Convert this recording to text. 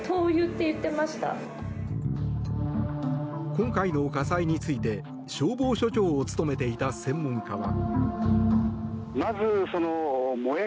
今回の火災について消防署長を務めていた専門家は。